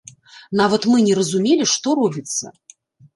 Нават мы не разумелі, што робіцца.